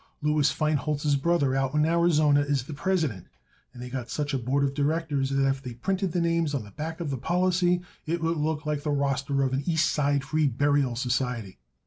Louis Feinholz's brother out in Arizona is the president, and they got such a board of directors that if they printed the names on the back of the policy it would look like the roster of an East Side free burial society.